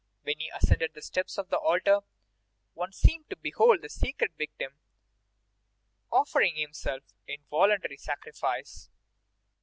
When he ascended the steps of the altar, one seemed to behold the sacred victim offering himself in voluntary sacrifice."